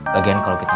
lagian kalau kita